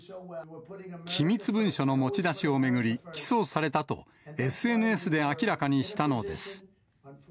機密文書の持ち出しを巡り、起訴されたと、ＳＮＳで明らかにしたのです。